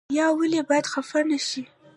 یار ولې باید خفه نشي؟